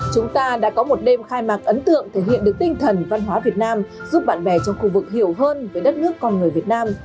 chúng ta đã có một đêm khai mạc ấn tượng thể hiện được tinh thần văn hóa việt nam giúp bạn bè trong khu vực hiểu hơn về đất nước con người việt nam